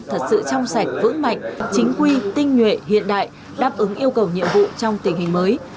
thật sự trong sạch vững mạnh chính quy tinh nhuệ hiện đại đáp ứng yêu cầu nhiệm vụ trong tình hình mới